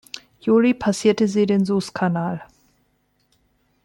Juli passierte sie den Sueskanal.